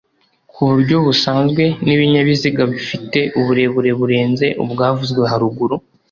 ku buryo busanzwe n ibinyabiziga bifite uburemere burenze ubwavuzwe haruguru